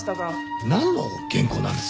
なんの原稿なんです？